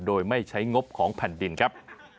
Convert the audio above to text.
โดยไม่ใช้งบของแผ่นดินครับ